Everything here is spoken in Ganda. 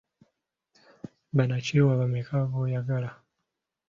Bannakyewa bameka b'oyagala?